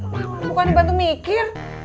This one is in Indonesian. bukan dibantu mikir